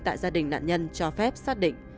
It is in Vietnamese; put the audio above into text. tại gia đình nạn nhân cho phép xác định